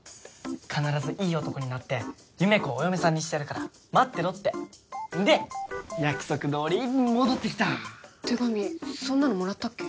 必ずいい男になって優芽子をお嫁さんにしてやるから待ってろってで約束どおり戻ってきた手紙そんなのもらったっけ？